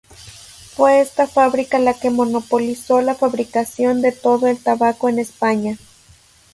Fue esta fábrica, la que monopolizó la fabricación de todo el tabaco en España.